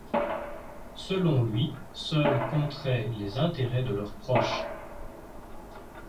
Selon lui, seuls compteraient les intérêts de leurs proches.